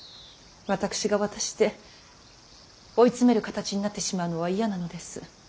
私が渡して追い詰める形になってしまうのは嫌なのです。